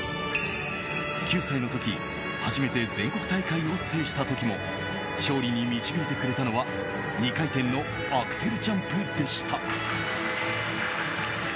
９歳の時初めて全国大会を制した時も勝利に導いてくれたのは２回転のアクセルジャンプでした。